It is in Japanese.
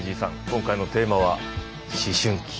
今回のテーマは「思春期」。